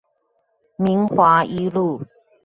明華一路